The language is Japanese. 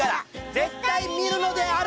絶対見るのである！